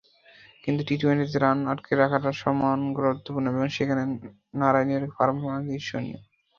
কিন্তু টি-টোয়েন্টিতে রান আটকে রাখাটাও সমান গুরুত্বপূর্ণ এবং সেখানে নারাইনের পারফরম্যান্স ঈর্ষণীয়।